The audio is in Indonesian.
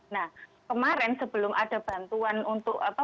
nah kemarin sebelum ada bantuan untuk apa